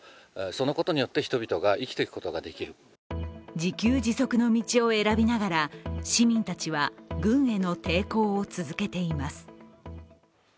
自給自足の道を選びながら市民たちは軍への抵抗を続けています。